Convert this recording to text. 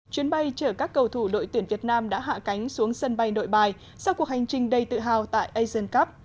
chuyến bay chở các cầu thủ đội tuyển việt nam đã hạ cánh xuống sân bay nội bài sau cuộc hành trình đầy tự hào tại asian cup